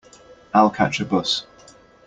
I'll catch a bus.